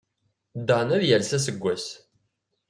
Dan ad yales aseggas!